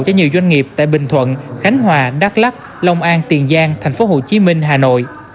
cho nhiều doanh nghiệp tại bình thuận khánh hòa đắk lắc lòng an tiền giang tp hcm hà nội